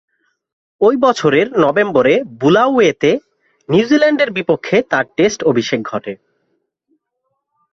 ঐ বছরের নভেম্বরে বুলাওয়েতে নিউজিল্যান্ডের বিপক্ষে তার টেস্ট অভিষেক ঘটে।